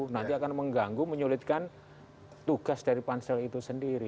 nanti akan mengganggu menyulitkan tugas dari pansel itu sendiri